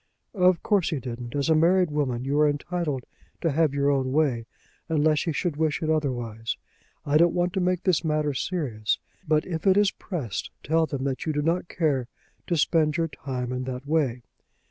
"Of course he didn't. As a married woman you are entitled to have your own way, unless he should wish it otherwise. I don't want to make this matter serious; but if it is pressed, tell them that you do not care to spend your time in that way.